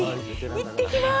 行ってきます。